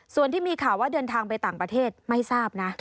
ส่วนที่มีข่าวว่าเดินทางไปต่างประเทศไม่ทราบนะ